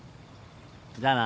じゃあな。